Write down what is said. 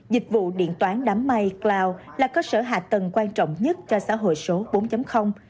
dịch vụ điện toán đám mây cloud là cơ sở hạ tầng quan trọng nhất cho xã hội số bốn